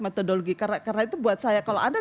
metodologi karena itu buat saya kalau anda